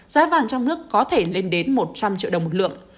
giá vàng trong nước có thể lên đến một trăm linh triệu đồng một lượng